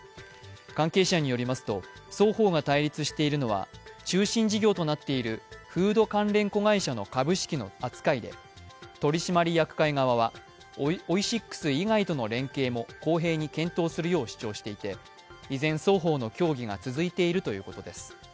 関係者によりますと、双方が対立しているのは中心事業となっているフード関連子会社の株式の扱いで取締役会側は、オイシックス以外との連携も公平に検討するよう主張していて依然、双方の協議が続いているということです。